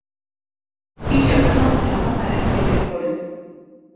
Îja ka em li temama resimê vekolin.